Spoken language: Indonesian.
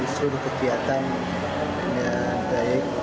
seluruh kegiatan dengan baik